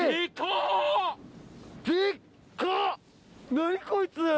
何こいつ！